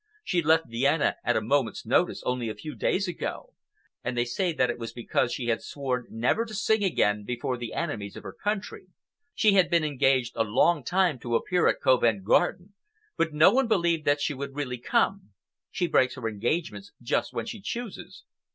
She left Vienna at a moment's notice, only a few days ago, and they say that it was because she had sworn never to sing again before the enemies of her country. She had been engaged a long time to appear at Covent Garden, but no one believed that she would really come. She breaks her engagements just when she chooses.